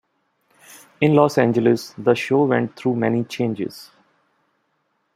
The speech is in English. In Los Angeles, the show went through many changes.